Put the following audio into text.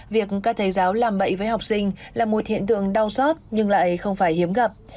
việc các thầy giáo làm bậy với học sinh là một hiện tượng đau xót nhưng lại không phải hiếm gặp